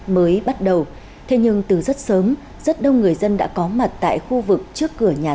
mới bắt đầu thế nhưng từ rất sớm rất đông người dân đã có mặt tại khu vực trước cửa nhà